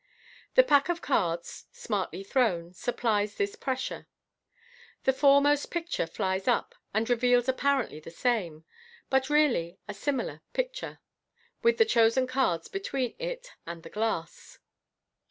The pack of cards, smartly thrown, supplies this pressure. The foremost picture flies up, and reveals apparently the same, but really a similar picture, with the chosen cards between it and the glass.